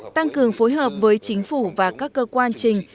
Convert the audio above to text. tăng cường phối hợp với chính phủ và các cơ quan trình